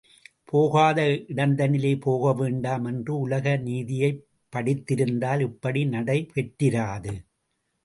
போகாத இடந்தனிலே போகவேண்டாம் என்ற உலக நீதி யைப் படித்திருந்தால், இப்படி நடை பெற்றிராது.